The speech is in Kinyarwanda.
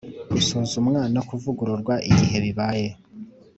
gusuzumwa no kuvugururwa igihe bibaye